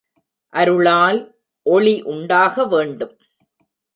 அருளால் ஒளி உண்டாக வேண்டும்.